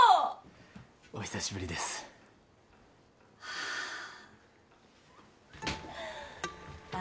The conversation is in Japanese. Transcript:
お久しぶりですはああ